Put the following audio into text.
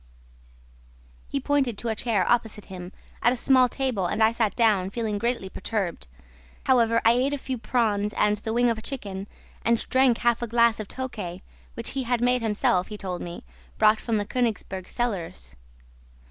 He pointed to a chair opposite him, at a small table, and I sat down, feeling greatly perturbed. However, I ate a few prawns and the wing of a chicken and drank half a glass of tokay, which he had himself, he told me, brought from the Konigsberg cellars.